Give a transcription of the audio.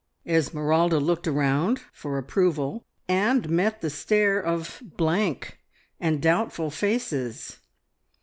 Esmeralda looked around for approval, and met the stare of blank and doubtful faces.